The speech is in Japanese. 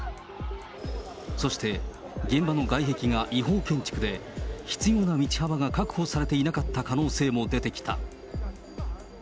そして、現場の外壁が違法建築で、必要な道幅が確保されていなかった可能性も出てきた。